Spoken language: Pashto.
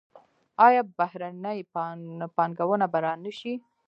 آیا بهرنۍ پانګونه به را نشي؟